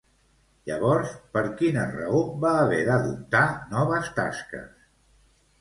Llavors, per quina raó va haver d'adoptar noves tasques?